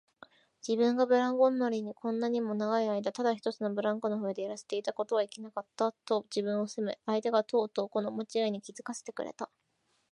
自分がブランコ乗りにこんなにも長いあいだただ一つのブランコの上でやらせていたことはいけなかった、と自分を責め、相手がとうとうこのまちがいに気づかせてくれた